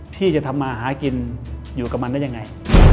พี่จะทำมาหากินอยู่กับมันได้ยังไง